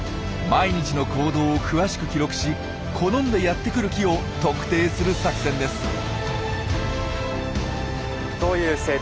毎日の行動を詳しく記録し好んでやってくる木を特定する作戦です。